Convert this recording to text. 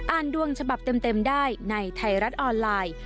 อ่านดวงฉบับเต็มได้ในไทรัตรออนไลน์